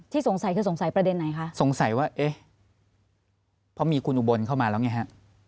สงสัยคือสงสัยประเด็นไหนคะสงสัยว่าเอ๊ะเพราะมีคุณอุบลเข้ามาแล้วไงฮะ